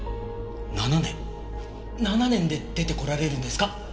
７年で出てこられるんですか？